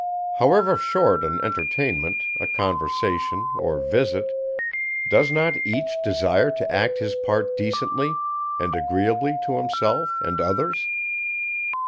However short an entertainment, a conversation, or visit, does not each desire to act his part decently, and agreeably to himself and others?